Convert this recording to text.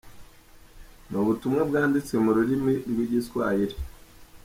Ni ubutumwa bwanditse mu rurimi rw’Igiswahili.